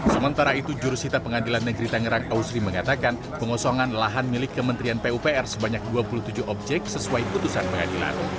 sementara itu jurusita pengadilan negeri tangerang ausri mengatakan pengosongan lahan milik kementerian pupr sebanyak dua puluh tujuh objek sesuai putusan pengadilan